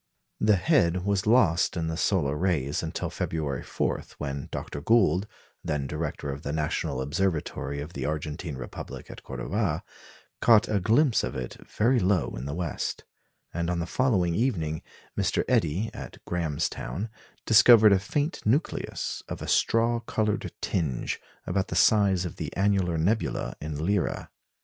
The head was lost in the solar rays until February 4, when Dr. Gould, then director of the National Observatory of the Argentine Republic at Cordoba, caught a glimpse of it very low in the west; and on the following evening, Mr. Eddie, at Graham's Town, discovered a faint nucleus, of a straw coloured tinge, about the size of the annular nebula in Lyra.